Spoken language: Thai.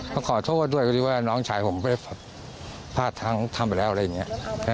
ก็ขอโทษด้วยพอดีว่าน้องชายผมไปพลาดทั้งทำไปแล้วอะไรอย่างนี้